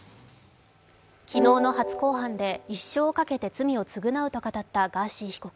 昨日の初公判で一生をかけて罪を償うと語ったガーシー被告。